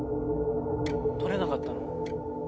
・撮れなかったの？